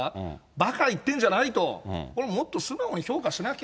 ばか言ってんじゃないと、これ、もっと素直に評価しなきゃ。